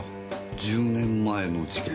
１０年前の事件？